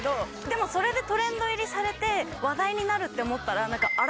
でもそれでトレンド入りされて話題になるって思ったら。